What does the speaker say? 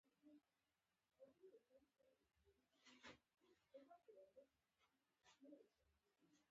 د زیمبابوې ولسمشر ځینې سپارښتنې عملي کړې.